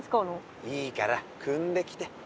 いいからくんできて。